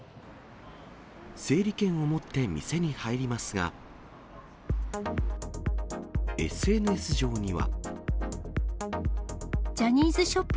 整理券を持って店に入りますが、ＳＮＳ上には。ジャニーズショップ